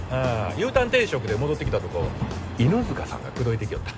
Ｕターン転職で戻ってきたとこを犬塚さんが口説いてきよった